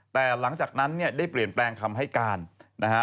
แต่หลังจากนั้นเนี่ยได้เปลี่ยนแปลงคำให้การนะฮะ